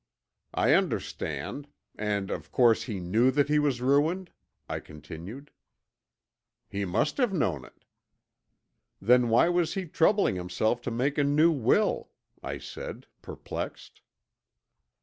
"I understand. And, of course he knew that he was ruined?" I continued. "He must have known it." "Then why was he troubling himself to make a new will?" I said, perplexed.